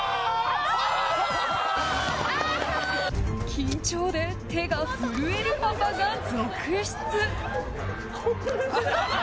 緊張で手が震えるパパが続出。